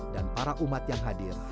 dan para umat yang hadir